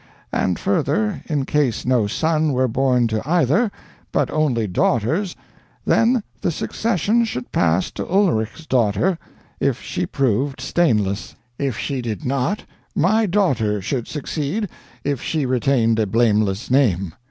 And further, in case no son were born to either, but only daughters, then the succession should pass to Ulrich's daughter, if she proved stainless; if she did not, my daughter should succeed, if she retained a blameless name.